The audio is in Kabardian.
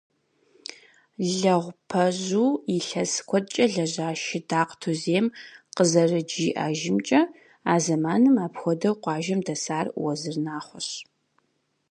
Лэгъупэжьу илъэс куэдкӏэ лэжьа Шыдакъ Тузем къызэрыджиӏэжамкӏэ, а зэманым апхуэдэу къуажэм дэсар Уэзыр Нахъуэщ.